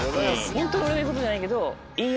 ホントに俺が言うことじゃないけど。